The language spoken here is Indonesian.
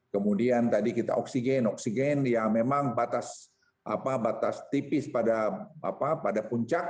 kemudian tadi kita oksigen oksigen yang memang batas tipis pada puncak